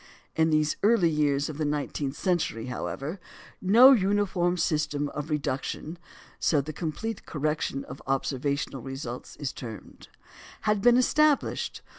In the early years of the nineteenth century, however, no uniform system of "reduction" (so the complete correction of observational results is termed) had been established.